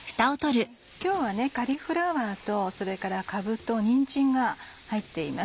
今日はカリフラワーとそれからかぶとニンジンが入っています。